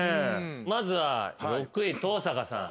まずは６位登坂さん。